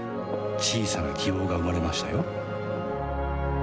小さな希望が生まれましたよ